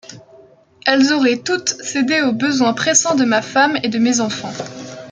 Elles auraient toutes cédé au besoin pressant de ma femme et de mes enfants.